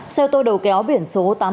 xe ô tô đầu kéo bị thương